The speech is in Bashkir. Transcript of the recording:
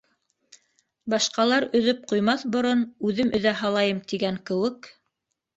Башҡалар өҙөп ҡуймаҫ борон үҙем өҙә һалайым тигән кеүек...